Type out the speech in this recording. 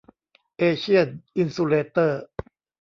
เอเชียน อินซูเลเตอร์